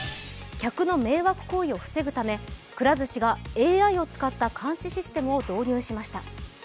客の迷惑行為を防ぐため、くら寿司がＡＩを使った監視システムを導入しました。